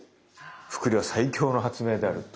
複利は最強の発明であると。